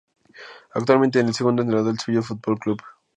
Actualmente es el segundo entrenador del Sevilla Fútbol Club.